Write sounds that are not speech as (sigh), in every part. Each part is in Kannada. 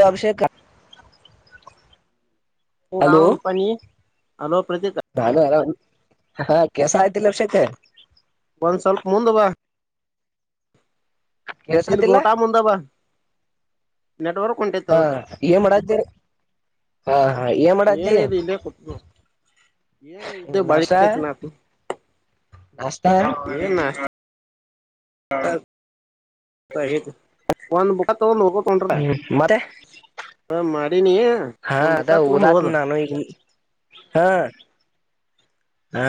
ಎ ಅಭಿಷೇಕ ಹೂ ಆನ್ ಪನಿ ಹಲೋ ಪ್ರತೀತ ನಾನು ಅರಾಮ ಹಾ ಕೆಸ ಆಯ್ತಿಲ್ಲಭಷಕ್ ಒಂದ್ ಸ್ವಲ್ಪ ಮುಂದ ಬಾ ಇಲ್ಲಿ ಕೆಲ್ಸತಿಲ್ಲ ಗೋಟಾ ಮುಂದ ಬ ನೆಟ್ವರ್ಕ್ ಹಾ ಹೊಂಟೈತದಕ್ಕ ಅದಿಕ್ಕ ಏನ್ ಮಾಡತ್ತೀರಿ ಹಾ ಹಾ ಏನ್ ಮಾಡತ್ತಿ ಏನ ಇಲ್ಲಿ ಇಲ್ಲೇ ಕೊಟ್ಟನೊಡು ಏನ ಇದ್ದೆ (unintelligible) ನಾಷ್ಟ ಹಾಯ ಒಂದು ಬಾತು ಮೂವತ್ತೊಂದುರ್ಪಯಿ ಹ್ಮ್ ಮತ್ತೆ ಹಾ ಮಾಡಿನೀ ಯೇ ಹಾ ಅದ ಊರಕ್ ನಾನು ಇದಿ ಹಾ ಹಾ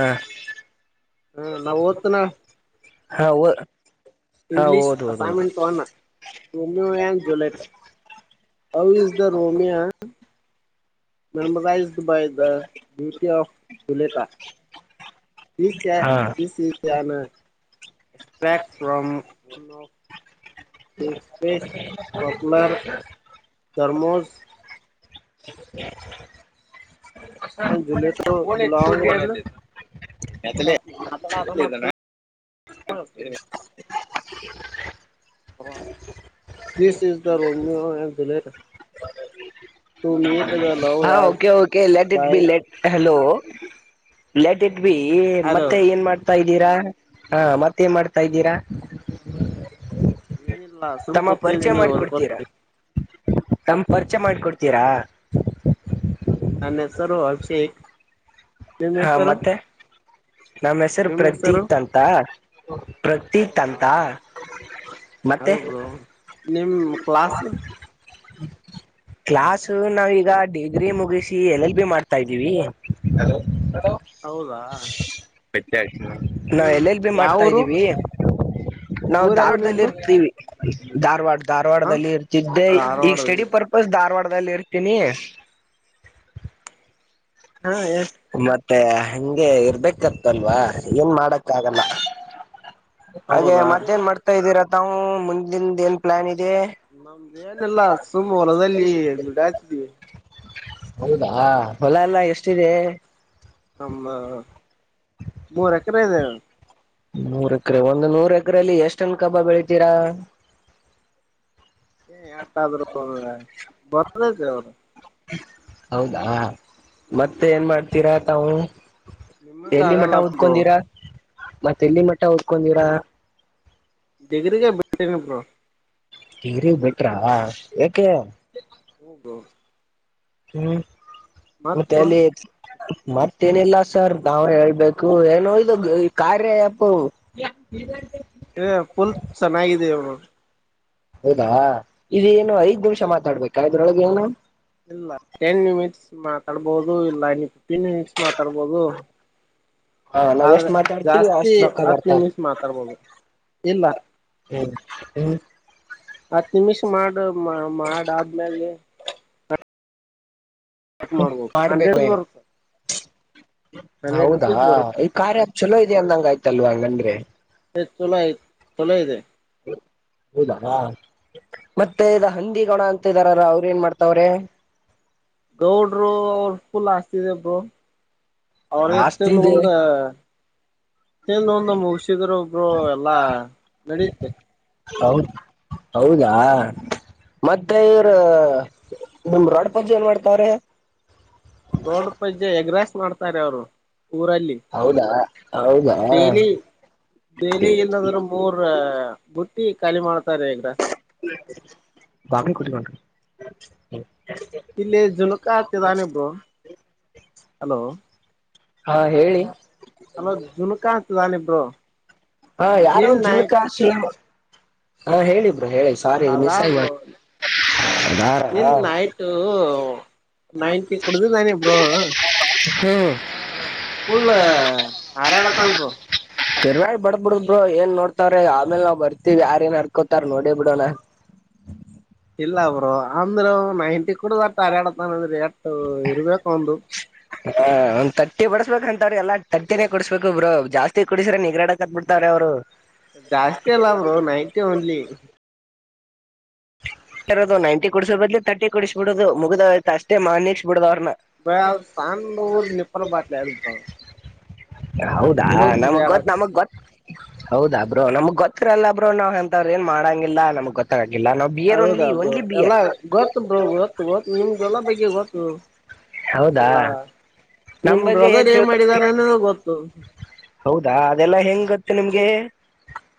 ಹ ನಾವ್ ಓದ್ತನಾ ಹಾ ಓದು English assignment on Romeo and Juliet how is the ರೋಮಿಯಾ (unintelligible) by the beauty of ಬುಲೆತ this a ಹಾ this is an a aspect one ಎಕ್ಸ್ಪೇಸ್ popular ದರ್ಮೋಸ್ (inaudible) Romeo and Juliet (unintelligible) ಹೇ ಯಾಕಲೇ ಮಾತಾಡು (unintelligible) this is the Romeo and Juliet love ಹಾ as okay okay let it be life let hello let it be hello ಮತ್ತೆ ಏನ್ ಮಾಡ್ತ್ ಏನ್ ಮಾಡ್ತಾ ಇದ್ದೀರಾ ಹಾ ಮತ್ತೇನ್ ಮಾಡ್ತಾ ಇದ್ದೀರಾ (unintelligible) ತಮ್ಮ ಪರಿಚಯ ನೀವು ಓದ್ಕೋ ಮಾಡಿಕೊಡ್ತೀರಾ ತಮ್ಮ ಪರಿಚಯ ಮಾಡಕೊಡ್ತೀರಾ ನನ್ನ ಹೆಸರು ಅಭಿಷೇಕ್ ನಿಮ್ಮ ಹೆಸರು ನಮ್ಮ ಹೆಸರು ಪ್ರತೀತ್ ಅಂತ ಪ್ರತೀತ್ ಹೌದಾ ಅಂತ ಮತ್ತೆ ಹೌದು ಬ್ರೋ ನಿಮ್ಮ್ ಕ್ಲಾಸು (inaudible) (unintelligible) ಕ್ಲಾಸ್ ಹೂ ನಾವೀಗ ಡಿಗ್ರಿ ಮುಗಿಸಿ ಎಲ್ ಎಲ್ ಬಿ ಮಾಡ್ತಾ ಇದ್ದೀವಿ ಹಲೋ ಹೌದಾ ನಾ ನಿಮ್ ಎಲ್ ಎಲ್ ಬಿ ಮಾಡ್ತಾ ಯಾವೂರು ಇದ್ದೀವಿ ನಾವು ಊರ್ ಯಾವ್ದು ಧಾವಡದಲ್ಲಿ ನಿಮ್ದು ಇರ್ತೀವಿ. ಧಾರವಾಡ್ ಹ ಧಾರವಾಡದಲ್ಲಿ ಇರ್ತಿದ್ದೆ ಈಗ ಧಾರವಾಡ ಸ್ಟಡಿ ಪರ್. ಬಸ್ ಧಾರವಾಡದಲ್ಲಿ ಇರ್ತೀನಿ. ಹಾ ಎಸ್ ಮತ್. ಮತ್ತೆ ಹಂಗೆ ಇರ್ಬೇಕತ್ತಲ್ವಾ ಏನ್ ಮಾಡಕ್ ಆಗಲ್ಲ. ಹಾಗೆ ಹೌದಾ ಮತ್ತೇನ್ ಮಾಡ್ತಾ ಇದೀರಾ ತಾವು ಮುಂದಿಂದೆನ್ ಪ್ಲಾನ್ ಇದೆ. ನಮ್ದೇನಿಲ್ಲಾ ಹಸು ಹೊಲದಲ್ಲಿ ದುಡ ಹಾಕ್ತಿವಿ. ಹೌದಾ ಹೊಲ ಎಲ್ಲ ಎಷ್ಟಿದೆ. ನಮ್ದ್ ಮೂರ್ ಎಕರೆ ಇದೆ. ನೂರ್ ಎಕರೆ ಒಂದು ನೂರ ಎಕರೆೆಯಲ್ಲಿ ಎಷ್ಟನ್ ಕಬ್ಬ ಬೆಳಿತೀರಾ. ಏ ಎಟಾದ್ರರು. (unintelligible) ಹೌದಾ ಮತ್ತೆ ಏನ್ ಮಾಡ್ತೀರಾ ತಾವು. ನಿಮ್ಮಂಗ ಎಲ್ಲಿ ಮಠ ಆಗಲ್ಲ ಬ್ರೋ ಹೋದ್ಕೊಂಡಿರಾ ಮತ್ತೆ ಎಲ್ಲಿ ಮಠ ಹೋದ್ಕೊಂಡಿರಾ. ಡಿಗ್ರಿಿಗೆ ಬಿಟ್ ತಿನ ಬ್ರೋ. ೀರಿ ಬಿಟ್ರಾ ಯಾಕೆ. ಉ ದೋ. ಹ್ಮ್ ಮತ್ ಮತ್ತ್ ಬ್ರೋ ಅಲ್ಲಿ. ಮತ್ತೇನಿಲ್ಲ ಸರ್ ನಾವ್ ಹೇಳ್ಬೇಕು ಏನು ಇ ಕಾರ್ಯ ಆಪ್. ಯೆ. (unintelligible) ಏ ಫುಲ್ ಚೆನ್ನಾಗಿದೆ ಇವು. ಹೌದಾ ಇದೇಏನು ಐದ್ ನಿಮಿಷ ಮಾತಾಡ್ಬೇಕು ಇದ್ರೊಳಗೆ ಏನು. ಇಲ್ಲ ಟೆನ್ ಮಿನಿಟ್ಸ್ ಮಾತಾಡ್ಬಹುದು ಇಲ್ಲ ನೀ ಫಿಫ್ಟೀನ್ ಮಿನಿಟ್ಸ್ ಮಾತಾಡ್ಬಹುದು. ಹಾ ನಾವ್ ಎಷ್ಟ್ ಆದ್ರೆ ಮಾತಾಡ್ತೀವಿ ಜಾಸ್ತಿ ಅಷ್ಟ್ ರೊಕ್ಕ ಹತ್ತು ಬರ್ತಾರ ನಿಮಿಷ ಮಾತಾಡ್ಬೋದು ಇಲ್ಲ. ಹ್ಮ್ ಹ್ಮ್. ಹತ್ತು ನಿಮಿಷ ಮಾಡ ಮಾಡ ಆದ್ಮ್ಯಾಗೆ. ಕಟ್ ಹ ಮಾಡ್ಬೋದು ಹಂಡ್ರೆಡ್ ಮಾಡ್ಬೇಕು. ಬರುತ್ತೆ (unintelligible) ಹಂಡ್ರೆಡ್ ಹೌದಾ ರುಪೀಸ್ ಬರುತ್ತೆ ಈ ಕಾರ್ಯ ಆಪ್ ಚಲೋ ಇದ ಅಂದಂಗ ಆಯ್ತಲ್ವಾ ಹಂಗಂದ್ರೆ. ಎ ಚಲೋ ಚಲೋ ಇದೆ. ಹೌದಾ. ಮತ್ತೆ ಇದ ಹಂದಿ ಗೋಣ ಅಂತಿದಾರಲ್ಲ ಅವ್ರ ಏನ್ ಮಾಡ್ತಾವ್ರೆ. ಗೌಡ್ರು ಅವರು ಫುಲ್ ಹಾಸ್ತಿದ ಬ್. ಅವರ ಆಸ್ತಿ ಎತ್ತಿನ್ ಇದೆ ಮುಂದ. ನ್ (unintelligible) ಒಂದು ಮುಗಿಸಿದ್ರ ಒಬ್ರು ಎಲ್ಲಾ ನಡೀುತ್ತೆ. ಹೌದ್ ಹೌದಾ ಮತ್ತೆ ಇವ್ರ. ನಿಮ್ ರಾಡ್ ಪತಿ ಏನ್ ಮಾಡ್ತಾರೆ. ದೋಡ ಪಜ್ಜೆ ಎಗ್ರಾಸ್ ಮಾಡ್ತಾನೆ ಅವ್ರು ಊರಲ್ಲಿ. ಹೌದಾ ಹೌದಾ. ಡೈಲಿ ಡೈಲಿ ಇಲ್ಲಂದ್ರ ಮೂರ್ ಬುಟ್ಟಿ ಖಾಲಿ ಮಾಡ್ತಾರೆ ಈಗ್ರ. ಬಬಿ ಕುಟಿ. (unintelligible) (unintelligible) ಇಲ್ಲಿ ಝಲಕ ಹತಿದ್ದಾನೆ ಬ್ರೋ ಹಲೋ. ಹಾ ಹೇಳಿ ಹಲೋ ಜುನುಕತದಾನಿ ಬ್ರೋ. ಹಾ ಯಾರೊ ನಿನ್ ನೈಟ್ ಜಲಕಾಶಿ ಹ ಹೇಳಿ ಬ್ರೋ ಹೇಳ. ಸಾರಿ ಅದಾ ಮಿಸ್ ಆಗ್ ಬ್ರೋ ಬಂತ್ ಹ ನಿನ್ ಹ. ನೈಟ್ ನೈಂಟಿ ಕುಡೀದ್ದಿದ್ದಾನೆ ಬ್ರುೋ. ಹ್ಮ ಪುಲ್ಲ ಆರಡ್ತವ್ ಬ್ರೊ. ತಿರ್ವ ಬಡ ಬಿಡು ಏನ್ ನೋಡ್ತಾರೆ ಆಮೇಲ್ ನಾವ್ ಬರ್ತಿವಿ ಯಾರ ಏನ್ ಅರ್ಕೋತಾರೆ ನೋಡೆ ಬಿಡೋನ. ಇಲ್ಲ ಬ್ರೊ ಅಂದ್ರ ನೈಂಟಿ ಕುೂಡುದಟ್ಟ ಹರಾಡತಾನ್ರ ಎಷ್ಟ್ ಇರ್ಬೇಕು ಅವ್ನ್ದು. ಹ ಒಂದ್ ತಟ್ಟಿ ಬಡಸ್ಬೇಕ ಅಂತವ್ರೀ ಎಲ್ಲಾ ತಟ್ಟಿನೇ ಕುಡಸ್ಬೇಕು್ ಜಾಸ್ತಿ ಕುಡಸ್ರೆ ನಿಗ್ರಾಡಕ್ - - ಬಿಡ್ತಾರೆ ಅವ್ರು. ಜಾಸ್ತಿ ಅಲ್ಲ ಬ್ರೊ ನೈಟಿ ಓನ್ಲಿ. ಎರದು ನೈಂಟಿ ಕುಡ್ಸೋ ಬದ್ಲಿ ತರ್ಟಿ ಕುಡಿಸ್ಬಿಡುದು ಮುಗಿದೊಯ್ತ ಅಷ್ಟೇ ಮಾನಿಸ್ಬಡದು ಅವ್ರನ್ನ. ಬಾಯ್ ಸಂಡೂರ್ ನಿಫಾರ್ ಬಾಟ್ಲಿ (unintelligible) ಅದ್ ಕುಡು (unintelligible) ಗತ್ ಹೌದಾ ಬ್ರೊ ನಮಗ್ ಗೊತ್ರರಲ್ಲ ಬ್ರೊ ನಾವ್ ಎಂತವ್ರ ಏನ್ ಮಾಡಂಗಿಲ್ಲ ನಮ್ಗ್ ಗೊತ್ತಾಗ್ ಇಲ್ಲ ನಬ್ಬಿ. ಹೌದಾ ಬ್ರೋ ಎಲ್ಲಾ ಗೊತ್ತು ಬ್ರೋ ಗೊತ್ತು ಗೊತ್ತು ನಿಮ್ದ ಎಲ್ಲಾ ಬಗ್ಗೆ ಗೊತ್ತು. ಹೌದಾ ಅಲ್ಲಾ ನಮ್ ನಿಮ್ ಬಗ್ಗೆ ಬ್ರದರ್ ಹೇಗ್ ಏನ್ ತಿಳ್ಕೊ ಮಾಡಿದನನ ಗೊತ್ತು. ಹೌದಾ ಅದೆಲ್ಲಾ ಹೆಂಗ್ ಗತ್ತು ನಿಮ್ಗೆ.